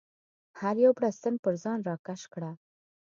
هر یو بړستن پر ځان راکش کړه.